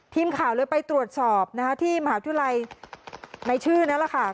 ทีมข่าวเลยไปตรวจสอบที่มหาวิทยาลัยในชื่อนั่นแหละค่ะ